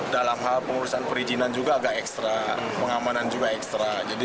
dalam hal pengurusan perizinan juga agak ekstra pengamanan juga ekstra